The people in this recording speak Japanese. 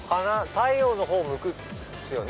太陽の方向くんですよね